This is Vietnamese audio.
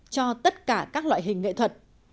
cho tất cả các loại hình nghệ thuật